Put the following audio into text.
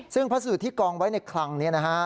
ซึ่งพัสดุที่กองไว้ในคลังนี้นะฮะ